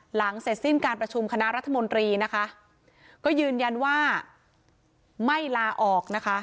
หลังเสร็จสิ้นการประชุมคณะรัฐมนตรีนะคะก็ยืนยันว่าไม่ลาออกนะคะ